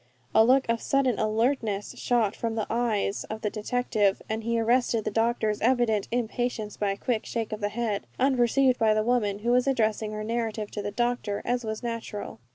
A look of sudden alertness shot from the eyes of the detective, and he arrested the doctor's evident impatience by a quick shake of the head unperceived by the woman, who was addressing her narrative to the doctor, as was natural.